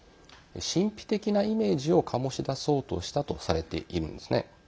神秘的なイメージを醸し出そうとしたとされているんですね。